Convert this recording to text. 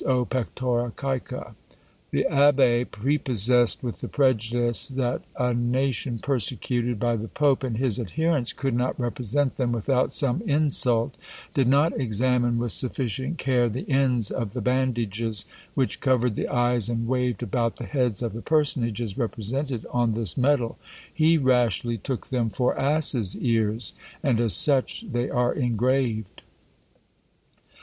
O pectora cæca! The Abbé, prepossessed with the prejudice that a nation persecuted by the Pope and his adherents could not represent them without some insult, did not examine with sufficient care the ends of the bandages which covered the eyes and waved about the heads of the personages represented on this medal: he rashly took them for asses' ears, and as such they are engraved!